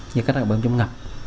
như các đoạn bơm chống ngập